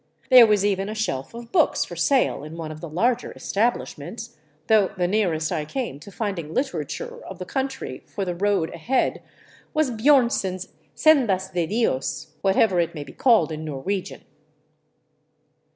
There was even 1 j a shelf of books for sale in one of the larger establishments, though j the nearest I came to finding literature of the country for the road '. ahead was Bjornson's " Sendas de Dios," whatever it may be called ' J in Norwegian.